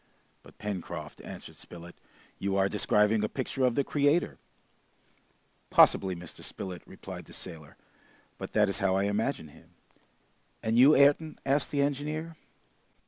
"But, Pencroft," answered Spilett, "you are describing a picture of the Creator." "Possibly, Mr. Spilett," replied the sailor, "but that is how I imagine him!" "And you, Ayrton?" asked the engineer.